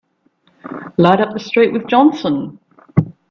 Light up with the street with Johnson!